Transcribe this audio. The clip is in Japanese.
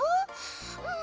うん。